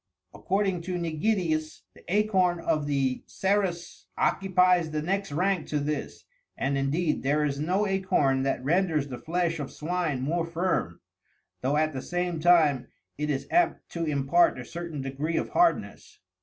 According to Nigidius, the acorn of the cerrus occupies the next rank to this, and, indeed, there is no acorn that renders the flesh of swine more firm, though at the same time it is apt to impart a certain degree of hardness.